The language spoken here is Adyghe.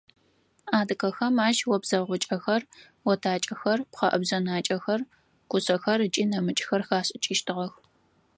Адыгэхэм ащ обзэгъукӏэхэр, отакӏэхэр, пхъэӏэбжъэнакӏэхэр, кушъэхэр ыкӏи нэмыкӏхэр хашӏыкӏыщтыгъэх.